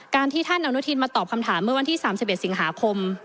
ที่ท่านอนุทินมาตอบคำถามเมื่อวันที่๓๑สิงหาคม